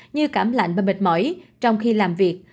như cảm lạnh và mệt mỏi trong khi làm việc